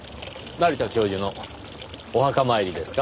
成田教授のお墓参りですか？